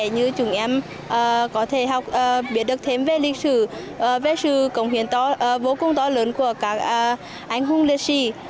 như chúng em có thể biết được thêm về lịch sử về sự cống hiến vô cùng to lớn của các anh hùng lịch sử